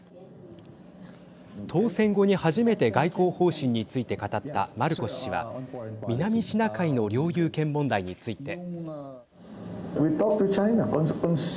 当選後に初めて外交方針について語ったマルコス氏は南シナ海の領有権問題について。